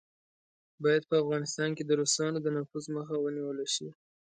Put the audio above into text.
باید په افغانستان کې د روسانو د نفوذ مخه ونیوله شي.